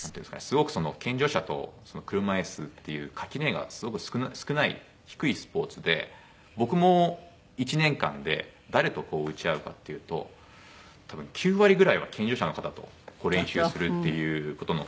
すごく健常者と車いすっていう垣根がすごく少ない低いスポーツで僕も１年間で誰と打ち合うかっていうと多分９割ぐらいは健常者の方と練習するっていう事の方が多くて。